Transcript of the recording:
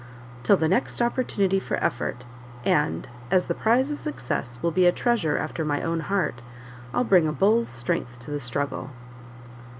"Till the next opportunity for effort; and as the prize of success will be a treasure after my own heart, I'll bring a bull's strength to the struggle."